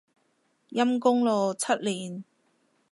陰功咯，七年